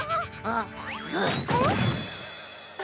ああ。